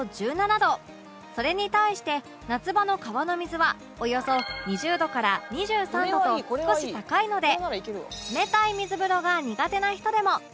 それに対して夏場の川の水はおよそ２０度から２３度と少し高いので冷たい水風呂が苦手な人でも無理なく楽しめます